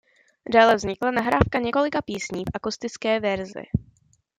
Dále vznikla nahrávka několika písní v akustické verzi.